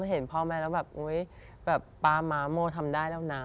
เห็นพ่อแม่แล้วแบบอุ๊ยแบบป๊าม้าโมทำได้แล้วนะ